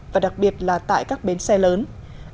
và đặc biệt là tại các bến xe lớn